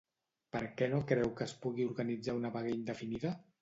Per què no creu que es pugui organitzar una vaga indefinida?